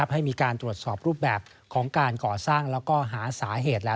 ให้มีการตรวจสอบรูปแบบของการก่อสร้างแล้วก็หาสาเหตุแล้ว